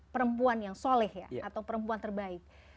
perempuan yang soleh ya atau perempuan terbaik